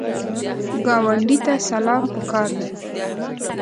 ګاونډي ته سلام پکار دی